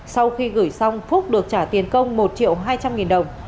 sau khi gửi xong phúc được trả tiền công một triệu hai trăm linh nghìn đồng